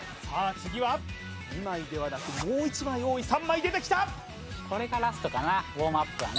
次は２枚ではなくもう１枚多い３枚出てきたこれがラストかなウォームアップはね